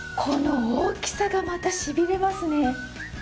この大きさが、また、しびれますね。